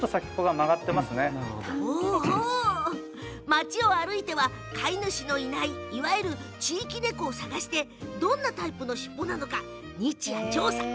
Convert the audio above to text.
町を歩いては飼い主のいないいわゆる地域猫を探してどんなタイプのしっぽなのか日夜調査。